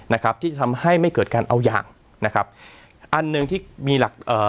นะครับที่จะทำให้ไม่เกิดการเอาอย่างนะครับอันหนึ่งที่มีหลักเอ่อ